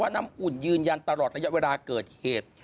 น้ำอุ่นยืนยันตลอดระยะเวลาเกิดเหตุ